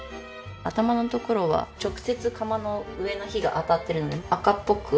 頭のところは直接釜の上の火が当たってるので赤っぽく。